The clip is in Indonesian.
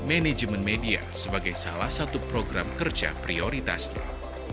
manajemen media sebagai salah satu program kerja prioritasnya